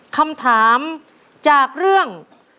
คำถามจากเรื่อง